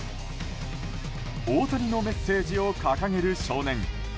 大谷のメッセージを掲げる少年。